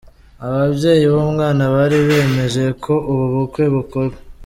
Ababyeyi b’umwana bari bemeje ko ubu bukwe bukorwa.